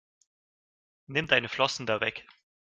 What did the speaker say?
Nimm deine Flossen da weg!